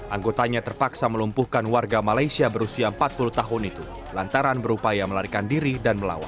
anggotanya terpaksa melumpuhkan warga malaysia berusia empat puluh tahun itu lantaran berupaya melarikan diri dan melawan